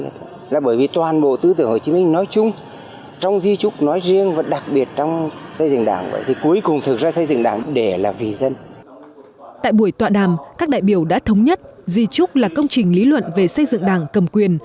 tại buổi tọa đàm các đại biểu đã thống nhất di trúc là công trình lý luận về xây dựng đảng cầm quyền